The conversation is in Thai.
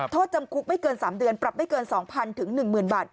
โทษจำคุกไม่เกิน๓เดือนปรับไม่เกิน๒๐๐๑๐๐บาท